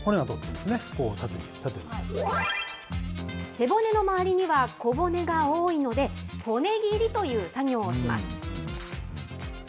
背骨の周りには小骨が多いので、骨切りという作業をします。